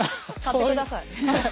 買ってください。